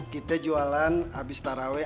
kita jualan abis tarawe